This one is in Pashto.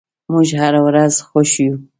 موږ هره ورځ خوښ یو.